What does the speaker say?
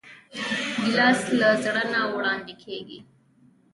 ګیلاس له زړه نه وړاندې کېږي.